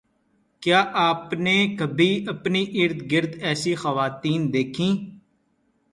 کیا آپ نے کبھی اپنی اررگرد ایسی خواتین دیکھیں